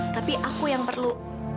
tapi aku yang perlu